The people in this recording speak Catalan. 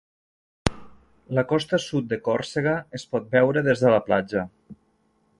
La costa sud de Còrsega es pot veure des de la platja.